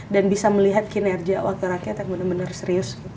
dan bisa melihat kinerja wakil wakil yang bener bener serius